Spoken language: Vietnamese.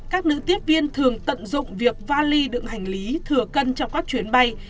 các nữ tiếp viên thường tận dụng việc vali đựng hành lý thừa cân trong các chuyến bay